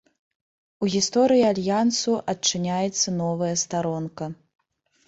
У гісторыі альянсу адчыняецца новая старонка.